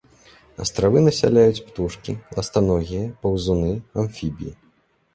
Астравы насяляюць птушкі, ластаногія, паўзуны, амфібіі.